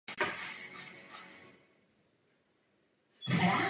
Studia ale musel přerušit a převzít kvůli nemoci svého bratra Romana statek na Volyni.